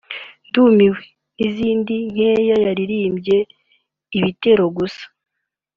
’Ndumiwe’ n’izindi nkeya yaririmbye ibitero gusa